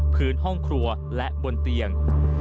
พื้นห้องครัวและบนเตียง